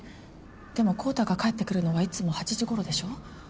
でも昂太が帰ってくるのはいつも８時頃でしょ？